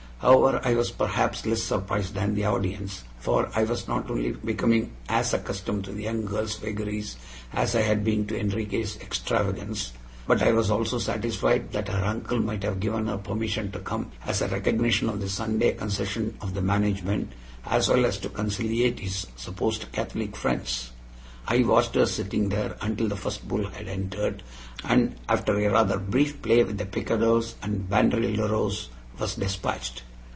However, I was perhaps less surprised than the audience, for I was not only becoming as accustomed to the young girl's vagaries as I had been to Enriquez' extravagance, but I was also satisfied that her uncle might have given her permission to come, as a recognition of the Sunday concession of the management, as well as to conciliate his supposed Catholic friends. I watched her sitting there until the first bull had entered, and, after a rather brief play with the picadors and banderilleros, was dispatched.